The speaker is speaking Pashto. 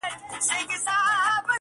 سړي وویله ورک یمه حیران یم -